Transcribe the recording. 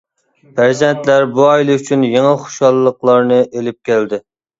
پەرزەنتلەر بۇ ئائىلە ئۈچۈن يېڭى خۇشاللىقلارنى ئېلىپ كەلدى.